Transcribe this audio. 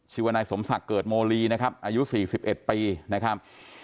ชื่อว่านายสมศักดิ์เกิดโมลีนะครับอายุ๔๑ปีนะครับ